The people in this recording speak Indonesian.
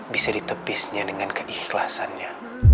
bisa ditepisnya dengan keikhlasannya